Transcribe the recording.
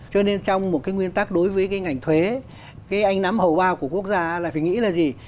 cho nên trong một cái nguyên tắc đối với cái ngành thuế cái anh nắm hầu bao của quốc gia là phải nghĩ là gì